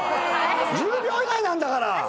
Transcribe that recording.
⁉１０秒以内なんだから。